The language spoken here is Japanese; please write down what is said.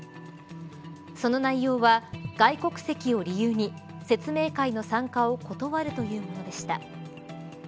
その内容は、外国籍を理由に説明会の参加を断るというものでした。